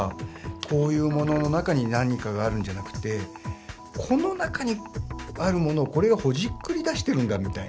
こういうものの中に何かがあるんじゃなくてこの中にあるものをこれがほじくり出してるんだみたいな。